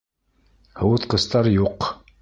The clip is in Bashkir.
Һыуытҡыстар юҡ!